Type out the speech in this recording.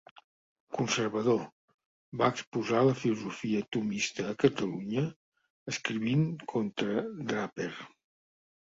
Conservador, va exposar la filosofia tomista a Catalunya escrivint contra Draper.